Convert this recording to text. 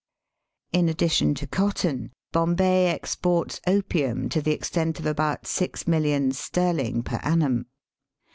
In addition to cotton, Bombay exports opium to the extent of about six millions sterling per annum.